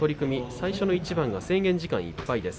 最初の一番が制限時間いっぱいです。